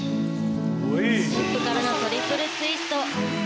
ステップからのトリプルツイスト。